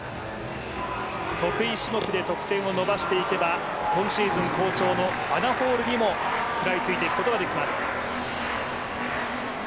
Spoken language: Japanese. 得意種目で得点を伸ばしていけば、今シーズン好調のアナ・ホールにも食らいついていくことができます。